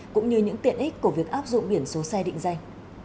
cũng như những tiện ích của việc áp dụng biển số xe định danh